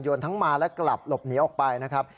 ทั้งมาและกลับหลบหนีออกไปนะครับ